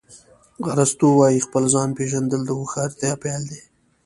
ارسطو وایي خپل ځان پېژندل د هوښیارتیا پیل دی.